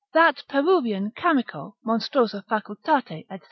That Peruvian chamico, monstrosa facultate &c.